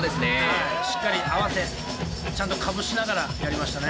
しっかり合わせちゃんとかぶしながらやりましたね。